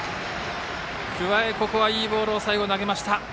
桑江、ここはいいボールを投げました。